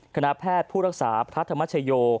คณะแพทย์ผู้รักษาพระธรรมชโย